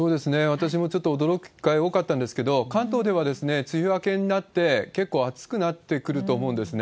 私もちょっと驚く機会が多かったんですけど、関東では梅雨明けになって、結構暑くなってくると思うんですね。